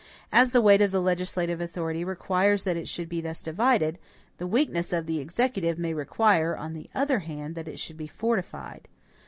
As the weight of the legislative authority requires that it should be thus divided, the weakness of the executive may require, on the other hand, that it should be fortified.